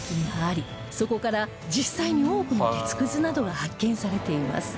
そこから実際に多くの鉄くずなどが発見されています